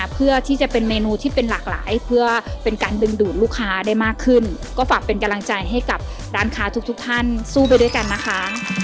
เพื่อที่จะเป็นเมนูที่เป็นหลากหลายเพื่อเป็นการดึงดูดลูกค้าได้มากขึ้นก็ฝากเป็นกำลังใจให้กับร้านค้าทุกท่านสู้ไปด้วยกันนะคะ